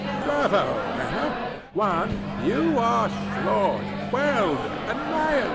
Bravo Ana! Juan: you are floored, quelled, annihilated.